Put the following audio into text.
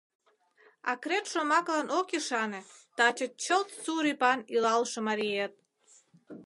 Акрет шомаклан ок ӱшане таче чылт сур ӱпан илалше мариет.